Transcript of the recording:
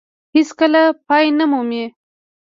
هېڅ کله پای نه مومي.